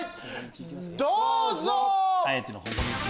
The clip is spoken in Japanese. どうぞ！